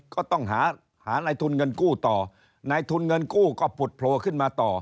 ก็ต้องหาหานายทุนเงินกู้ต่อนายทุนเงินกู้ก็ผุดโผล่ขึ้นมาต่อ